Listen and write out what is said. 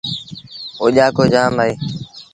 اوڄآڪو جآم اهي۔